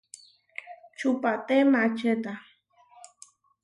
Čupaté maačeta.